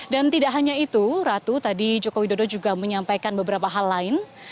dan tidak hanya itu ratu tadi joko widodo juga menyampaikan beberapa hal lain